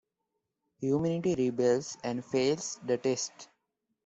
Humanity rebels and fails the test.